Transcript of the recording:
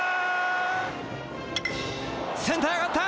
センターへ上がった！